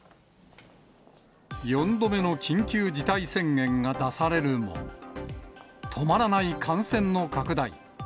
４度目の緊急事態宣言が出されるも、止まらない感染の拡大。